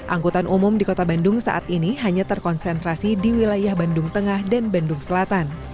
angkutan umum di kota bandung saat ini hanya terkonsentrasi di wilayah bandung tengah dan bandung selatan